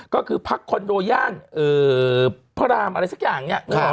ก็คือพักคอนโดย่างพระรามอะไรสักอย่าง